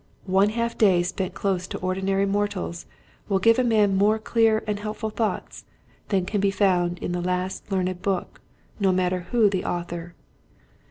One half day spent close to ordinary mortals will give a man more clear and helpful thoughts than can be found in the last learned book, no matter who the author.